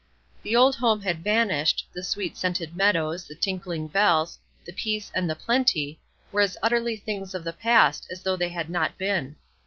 The old home had vanished, the sweet scented meadows, the tinkling bells, the peace and the plenty, were as utterly things of the past as though they had not been.